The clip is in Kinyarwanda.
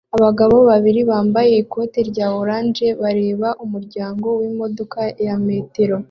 Abagabo babiri bambaye ikoti rya orange bareba umuryango wimodoka ya metero